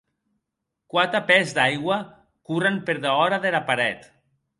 Quate pès d’aigua corren per dehòra dera paret.